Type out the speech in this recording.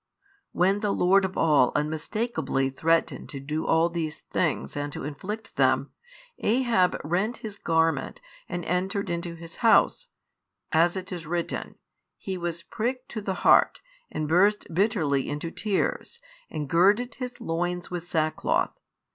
When the Lord of all unmistakably threatened to do all these things and to inflict them, Ahab rent his garment and entered into his house; as it is written, He was pricked |11 to the heart, and burst bitterly into tears, and girded his loins with sackcloth.